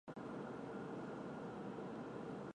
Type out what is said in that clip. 出席本次年会多为亚洲各国政要及商界领袖。